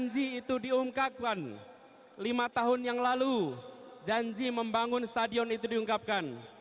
dari mulai saat direncanakan dari saat janji itu diungkapkan lima tahun yang lalu janji membangun stadion itu diungkapkan